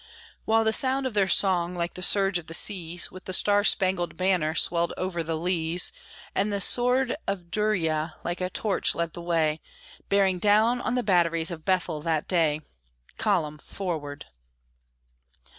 While the sound of their song, like the surge of the seas, With the "Star Spangled Banner" swelled over the leas; And the sword of Duryea, like a torch, led the way, Bearing down on the batteries of Bethel that day "Column! Forward!"